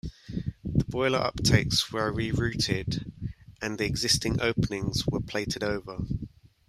The boiler uptakes were re-routed and the existing openings were plated over.